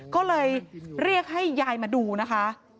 ก็เลยเรียกให้ยายมาดูนะคะ